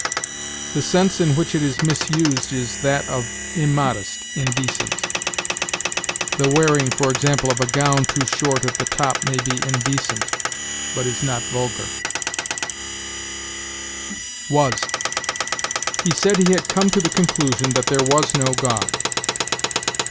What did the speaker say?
The sense in which it is misused is that of immodest, indecent. The wearing, for example, of a gown too short at the top may be indecent, but is not vulgar. WAS. "He said he had come to the conclusion that there was no God."